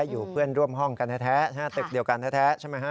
อยู่เพื่อนร่วมห้องกันแท้ตึกเดียวกันแท้ใช่ไหมฮะ